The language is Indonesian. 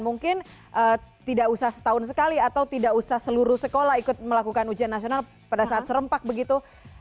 mungkin tidak usah setahun sekali atau tidak usah seluruh sekolah ikut melakukan ujian nasional pada saat serempak begitu